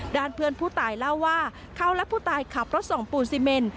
ด้านเพื่อนผู้ตายเล่าว่าเขาและผู้ตายขับรถส่งปูนซีเมน